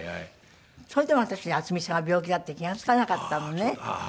それでも私ね渥美さんが病気だって気が付かなかったのね。